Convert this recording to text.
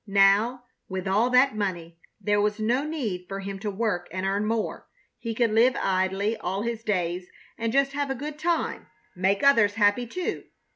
Now, with all that money, there was no need for him to work and earn more. He could live idly all his days and just have a good time make others happy, too.